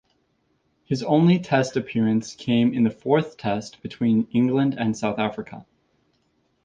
His only Test appearance came in the fourth Test between England and South Africa.